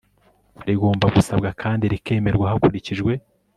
rigomba gusabwa kandi rikemerwa hakurikijwe